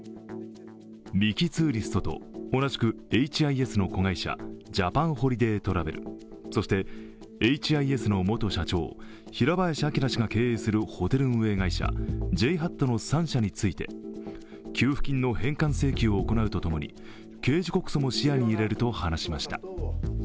ミキ・ツーリストと同じくエイチ・アイ・エスの子会社ジャパンホリデートラベル、そしてエイチ・アイ・エスの元社長、平林朗氏が経営するホテル運営会社、ＪＨＡＴの３社について給付金の返還請求を行うとともに刑事告訴も視野に入れると話しました。